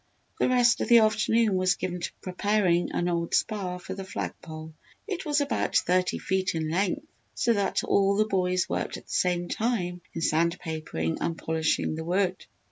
The rest of the afternoon was given to preparing an old spar for the flag pole. It was about thirty feet in length so that all the boys worked at the same time in sand papering and polishing the wood.